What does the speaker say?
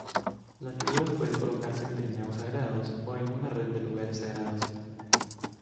Las figuras pueden colocarse en trineos sagrados o en una red de lugares sagrados.